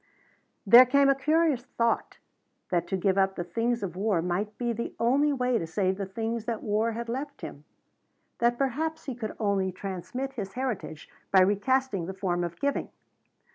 There came a curious thought that to give up the things of war might be the only way to save the things that war had left him. That perhaps he could only transmit his heritage by recasting the form of giving.